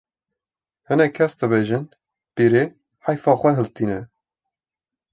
hinek kes dibêjin pîrê heyfa xwe hiltîne